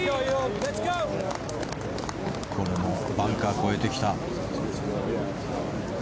これもバンカーを越えてきた。